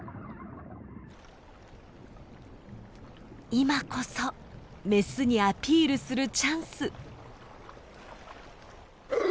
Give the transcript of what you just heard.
今こそメスにアピールするチャンス。